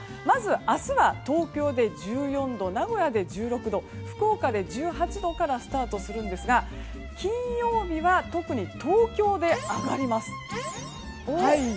まず明日は東京で１４度、名古屋で１６度福岡で１８度からスタートするんですが金曜日には特に東京で上がります。